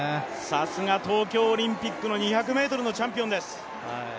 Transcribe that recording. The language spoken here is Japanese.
さすが東京オリンピックの２００ｍのチャンピオンです。